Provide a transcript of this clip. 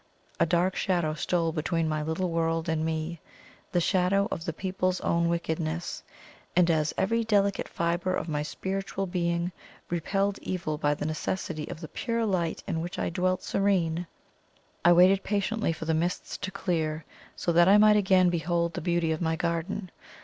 A dark shadow stole between my little world and me the shadow of the people's own wickedness. And as every delicate fibre of my spiritual being repelled evil by the necessity of the pure light in which I dwelt serene. I waited patiently for the mists to clear, so that I might again behold the beauty of my garden.